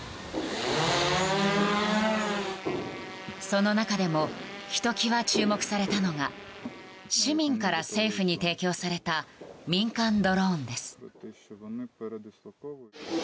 その中でもひときわ注目されたのが市民から政府に提供された民間ドローンです。